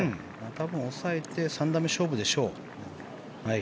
多分、抑えて３打目勝負でしょう。